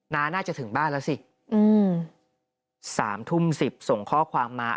น้าน่าจะถึงบ้านแล้วสิ๓ทุ่ม๑๐ส่งข้อความมา